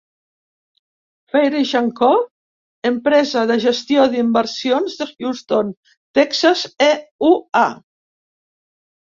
Farish and Co., empresa de gestió d'inversions de Houston, Texas, E.U.A.